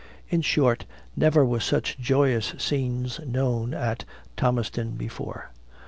In short, never were such joyous scenes know at, Thomastown before.